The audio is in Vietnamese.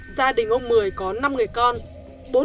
gia đình ông mười có năm người con